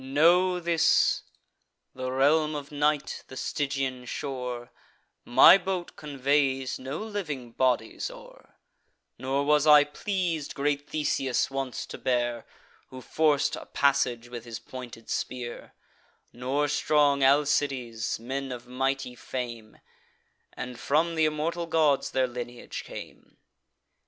Know this, the realm of night; the Stygian shore: My boat conveys no living bodies o'er; Nor was I pleas'd great Theseus once to bear, Who forc'd a passage with his pointed spear, Nor strong Alcides, men of mighty fame, And from th' immortal gods their lineage came.